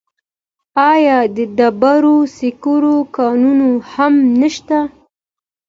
آیا د ډبرو سکرو کانونه هم نشته؟